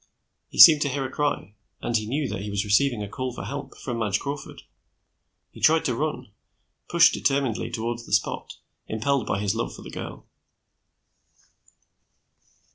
He seemed to hear a cry, and he knew that he was receiving a call for help from Madge Crawford. He tried to run, pushed determinedly toward the spot, impelled by his love for the girl.